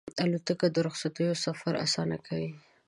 الوتکه د رخصتیو سفر اسانه کوي.